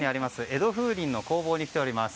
江戸風鈴の工房に来ています。